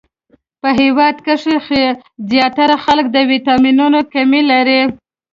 په هیواد کښی ځیاتره خلک د ويټامنونو کمې لری